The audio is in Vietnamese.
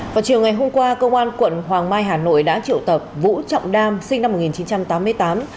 vào chiều ngày hôm qua công an quận hoàng mai hà nội đã triệu tập vũ trọng nam sinh năm một nghìn chín trăm tám mươi tám